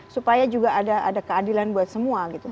supaya juga ada keadilan buat semua gitu